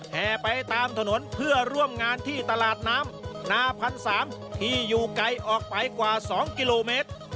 แห่ไปตามถนนเพื่อร่วมงานที่ตลาดน้ำนาพันสามที่อยู่ไกลออกไปกว่า๒กิโลเมตร